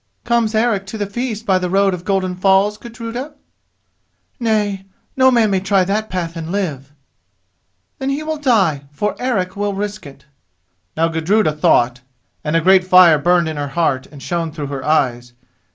"Comes Eric to the feast by the road of Golden Falls, Gudruda?" "Nay, no man may try that path and live." "Then he will die, for Eric will risk it." Now Gudruda thought, and a great fire burned in her heart and shone through her eyes.